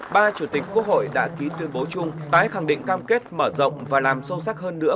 ba chủ tịch quốc hội đã ký tuyên bố chung tái khẳng định cam kết mở rộng và làm sâu sắc hơn nữa